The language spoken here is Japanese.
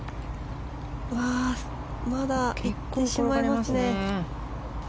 まだ行ってしまいますね。